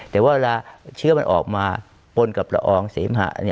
แต่ว่าเวลาเชื้อมันออกมาปนกับละอองเสมหะ